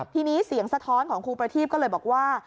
ทีนี้เสียงสะท้อนของครูประทีพก็เลยบอกว่า